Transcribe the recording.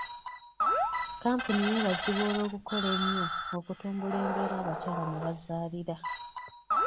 Kampuni yeebazibwa olw'okukola ennyo okutumbula embeera abakyala mwe bazaalira.